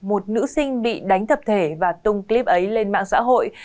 một nữ sinh bị đánh thập thể và tung clip ấy lên mạng xã hội